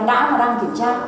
tại vì cái này